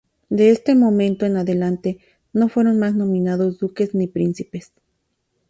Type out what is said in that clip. De este momento en adelante no fueron más nominados duques ni príncipes.